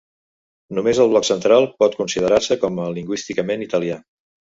Només el bloc central pot considerar-se com a lingüísticament italià.